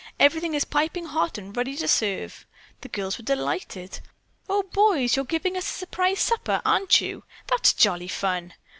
"Everything is piping hot and ready to serve." The girls were delighted. "Oh, boys, you're giving us a surprise supper, aren't you?" "That's jolly fun!"